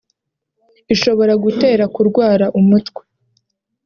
ishobora gutera kurwara umutwe